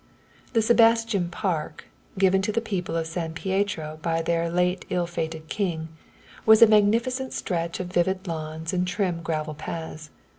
The Sebastin Park, given to the people of San Pietro by their late ill fated king, was a magnificent stretch of vivid lawns and trim gravel paths.